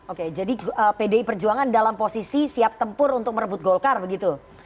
oke jadi pdi perjuangan dalam posisi siap tempur untuk merebut golkar begitu